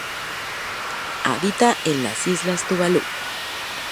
Habita en las islas Tuvalu.